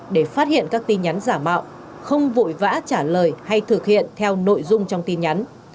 để phát hiện các tin nhắn giả mạo không vội vã trả lời hay thực hiện theo nội dung trong tin nhắn